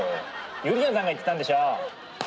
ゆりやんさんが言ってたんでしょ。